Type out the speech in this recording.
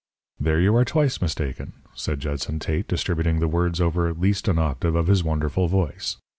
"There you are twice mistaken," said Judson Tate, distributing the words over at least an octave of his wonderful voice.